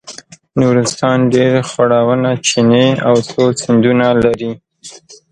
نورستان ډېر خوړونه چینې او څو سیندونه لري.